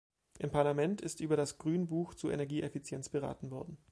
Im Parlament ist über das Grünbuch zur Energieeffizienz beraten worden.